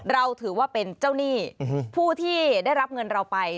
เราถือว่าเป็นเจ้าหนี้ผู้ที่ได้รับเงินเราไป